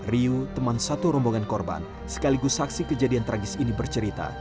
riu teman satu rombongan korban sekaligus saksi kejadian tragis ini bercerita